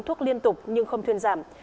thuốc liên tục nhưng không thuyền giảm